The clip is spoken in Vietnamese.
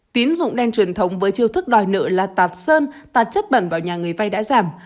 tín dụng đen truyền thống với chiêu thức đòi nợ là tạt sơn tạt chất bẩn vào nhà người vay đã giảm